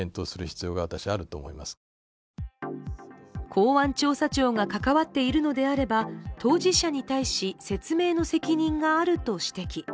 公安調査庁が関わっているのであれば当事者に対し説明の責任があると指摘。